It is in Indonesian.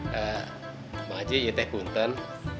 bang haji ya teh bunten